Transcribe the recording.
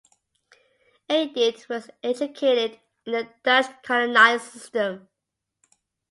Aidit was educated in the Dutch colonial system.